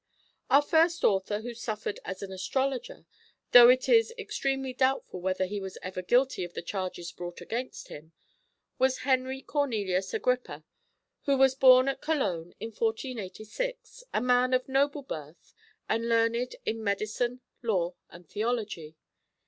Our first author who suffered as an astrologer, though it is extremely doubtful whether he was ever guilty of the charges brought against him, was Henry Cornelius Agrippa, who was born at Cologne in 1486, a man of noble birth and learned in Medicine, Law, and Theology.